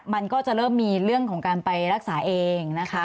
มันก็จะเริ่มมีเรื่องของการไปรักษาเองนะคะ